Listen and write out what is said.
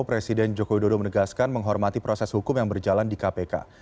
presiden joko widodo menegaskan menghormati proses hukum yang berjalan di kpk